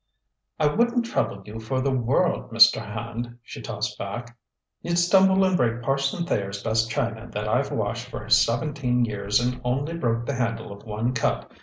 "I wouldn't trouble you for the world, Mr. Hand," she tossed back. "You'd stumble and break Parson Thayer's best china that I've washed for seventeen years and only broke the handle of one cup.